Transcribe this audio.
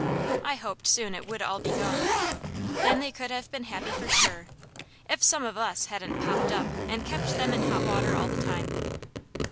I hoped soon it would all be gone. Then they could have been happy for sure, if some of us hadn't popped up and kept them in hot water all the time.